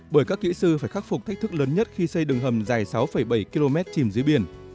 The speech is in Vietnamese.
bởi các kỹ sư phải khắc phục thách thức lớn nhất khi xây đường hầm dài sáu bảy km chìm dưới biển